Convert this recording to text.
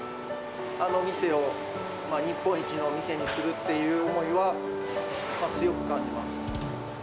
あの店を日本一のお店にするっていう思いは、強く感じます。